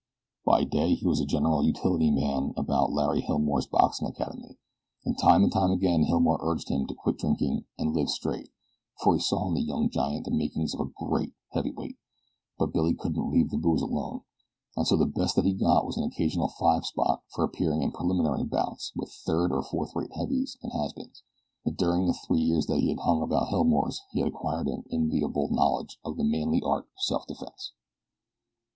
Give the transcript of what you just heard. By day he was a general utility man about Larry Hilmore's boxing academy, and time and time again Hilmore urged him to quit drinking and live straight, for he saw in the young giant the makings of a great heavy weight; but Billy couldn't leave the booze alone, and so the best that he got was an occasional five spot for appearing in preliminary bouts with third and fourth rate heavies and has beens; but during the three years that he had hung about Hilmore's he had acquired an enviable knowledge of the manly art of self defense.